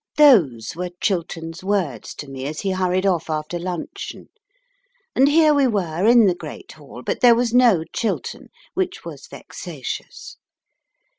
Those were Chiltern's words to me as he hurried off after luncheon, and here we were in the great hall, but there was no Chiltern, which was vexatious.